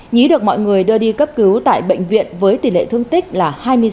nhí được mọi người đưa đi cấp cứu tại bệnh viện với tỷ lệ thương tích là hai mươi sáu